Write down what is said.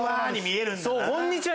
こんにちは！